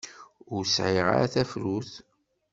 Ur sɛiɣ ara tafrut.